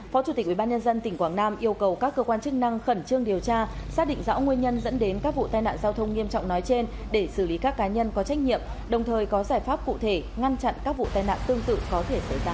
phó chủ tịch ubnd tỉnh quảng nam yêu cầu các cơ quan chức năng khẩn trương điều tra xác định rõ nguyên nhân dẫn đến các vụ tai nạn giao thông nghiêm trọng nói trên để xử lý các cá nhân có trách nhiệm đồng thời có giải pháp cụ thể ngăn chặn các vụ tai nạn tương tự có thể xảy ra